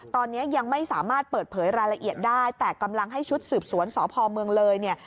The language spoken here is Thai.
ตอนนี้ยังไม่สามารถเปิดเผยรายละเอียดได้แต่กำลังให้ชุดสืบสวนสพเมืองเลยเนี่ย